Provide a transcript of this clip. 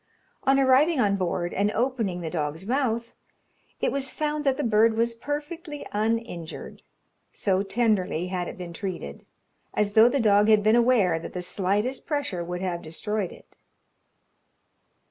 On arriving on board and opening the dog's mouth, it was found that the bird was perfectly uninjured, so tenderly had it been treated, as though the dog had been aware that the slightest pressure would have destroyed it.